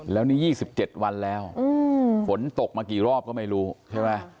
แล้วนี่๒๗วันแล้วฝนตกมากี่รอบก็ไม่รู้ใช่ไหม